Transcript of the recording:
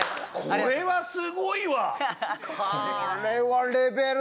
これはすごいわ。